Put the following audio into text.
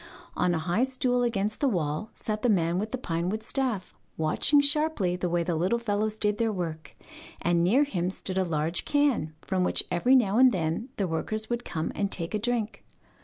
On a high stool against the wall sat the man with the pinewood staff, watching sharply the way the little fellows did their work, and near him stood a large can, from which every now and then the workers would come and take a drink.